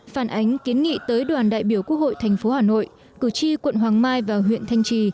phản ánh kiến nghị tới đoàn đại biểu quốc hội tp hà nội cử tri quận hoàng mai và huyện thanh trì